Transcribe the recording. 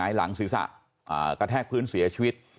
หลังศีรษะกระแทกพื้นเสียชีวิต